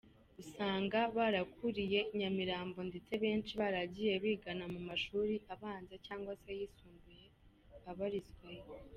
usanga barakuriye Nyamirambo ndetse benshi baragiye bigana mu mashuri abanza cyangwa se ayisumbuye abarizwayo.